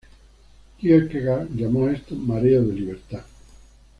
Kierkegaard llamó a esto "mareo de libertad".